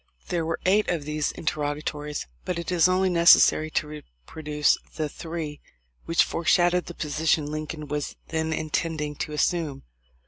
There were eight of these interrogatories, but it is only necessary to reproduce the three which fore shadow the position Lincoln was then intending to assume.